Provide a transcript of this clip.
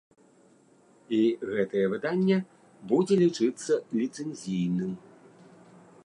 І гэтае выданне будзе лічыцца ліцэнзійным.